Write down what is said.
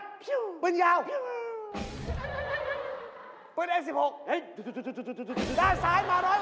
เฮ่ยมึงปลาระเบิดได้หว่าทีเดียวเลย